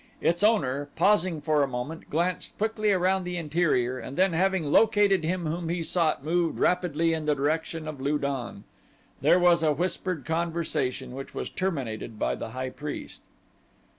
Its owner, pausing for a moment, glanced quickly around the interior and then having located him whom he sought moved rapidly in the direction of Lu don. There was a whispered conversation which was terminated by the high priest.